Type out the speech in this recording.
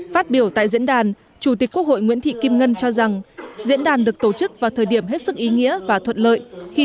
phát biểu tại diễn đàn chủ tịch quốc hội nguyễn thị kim ngân cho rằng diễn đàn được tổ chức vào thời điểm hết sức ý nghĩa và thuận lợi